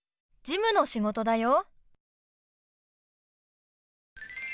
事務の仕事だよ。